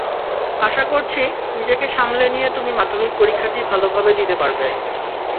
আশা করছি, নিজেকে সামলে নিয়ে তুমি মাধ্যমিক পরীক্ষাটি ভালোভাবে দিতে পারবে।